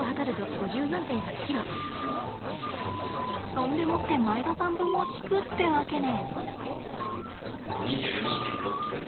そんでもって前田さん分を引くってわけね。